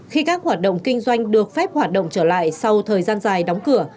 khi các hoạt động kinh doanh được phép hoạt động trở lại sau thời gian dài đóng cửa